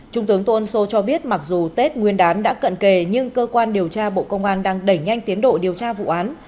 trung tướng tôn sô cho biết mặc dù tết nguyên đán đã cận kề nhưng cơ quan điều tra bộ công an đang đẩy nhanh tiến độ điều tra vụ án